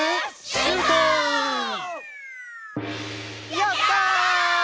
「やったー！！」